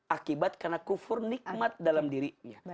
akibat karena kufur nikmat dalam dirinya